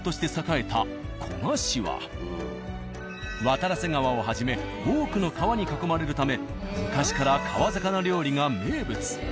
渡良瀬川をはじめ多くの川に囲まれるため昔から川魚料理が名物。